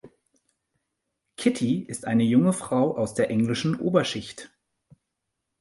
Kitty ist eine junge Frau aus der englischen Oberschicht.